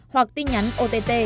hoặc tin nhắn ott